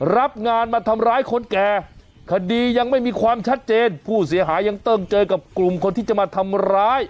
รับงานมาทำร้ายคนแก่คดียังไม่มีความชัดเจนผู้เสียหายยังต้องเจอกับกลุ่มคนที่จะมาทำร้าย